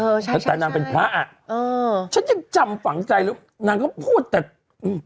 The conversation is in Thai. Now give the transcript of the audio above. เออใช่ใช่แต่นางเป็นพระอ่ะเออฉันยังจำฝังใจแล้วนางก็พูดแต่อืม